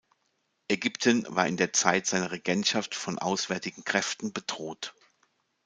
Ägypten war in der Zeit seiner Regentschaft von auswärtigen Kräften bedroht.